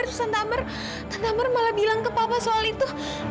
tante amer tante amer malah bilang ke papa soal itu